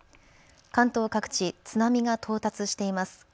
関東各地、津波が到達しています。